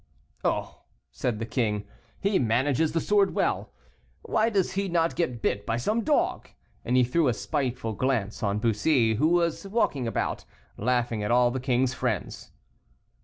"Oh!" said the king, "he manages the sword well. Why does he not get bit by some dog?" And he threw a spiteful glance on Bussy, who was walking about, laughing at all the king's friends.